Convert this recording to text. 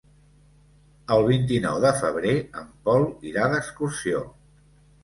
El vint-i-nou de febrer en Pol irà d'excursió.